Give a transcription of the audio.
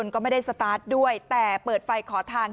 ก็ไม่ได้สตาร์ทด้วยแต่เปิดไฟขอทาง